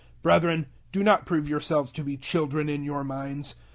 014:020 Brethren, do not prove yourselves to be children in your minds.